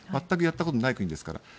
全くやったことない国ですから。